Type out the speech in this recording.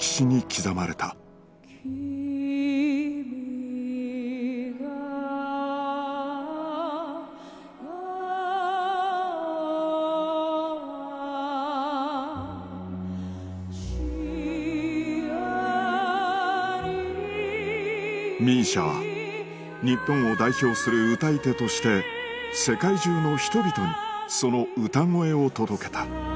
千代に ＭＩＳＩＡ は日本を代表する歌い手として世界中の人々にその歌声を届けた